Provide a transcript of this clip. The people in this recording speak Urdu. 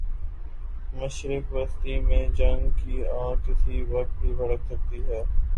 مشرق وسطی میں جنگ کی آگ کسی وقت بھی بھڑک سکتی ہے۔